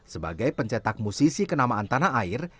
sebagai pencetak musisi kenamaan tanah air